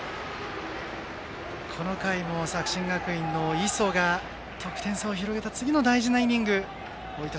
この回も作新学院の磯が得点差を広げた次の大事なイニング大分